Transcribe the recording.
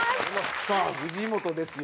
さあ藤本ですよ。